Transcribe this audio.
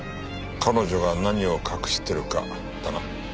彼女が何を隠してるかだな。